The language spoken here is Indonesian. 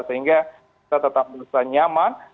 sehingga kita tetap berusaha nyaman